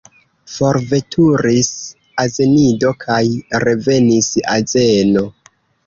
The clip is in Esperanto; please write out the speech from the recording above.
Forveturis azenido kaj revenis azeno.